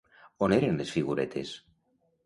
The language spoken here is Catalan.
On eren les figuretes?